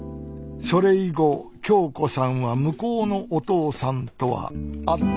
それ以後響子さんは向こうのお父さんとは会っておりません